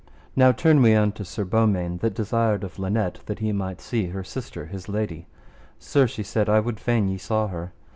Now turn we unto Sir Beaumains that desired of Linet that he might see her sister, his lady. Sir, she said, I would fain ye saw her.